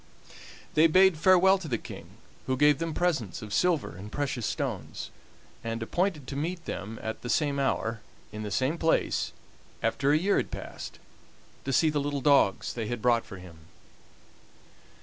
They bade farewell to the King, who gave them presents of silver and precious stones, and appointed to meet them at the same hour, in the same place, after a year had passed, to see the little dogs they had brought for him.